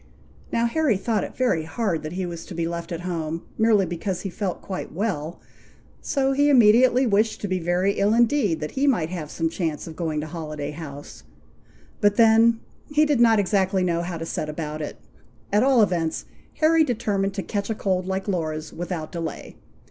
Now, Harry thought it very hard that he was to be left at home, merely because he felt quite well, so he immediately wished to be very ill indeed, that he might have some chance of going to Holiday House; but then he did not exactly know how to set about it. At all events, Harry determined to catch a cold like Laura's, without delay.